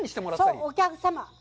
そう、お客様。